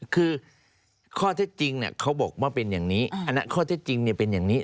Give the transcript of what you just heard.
คือข้อเท็จจริงเขาบอกว่าเป็นอย่างนี้อันนั้นข้อเท็จจริงเป็นอย่างนี้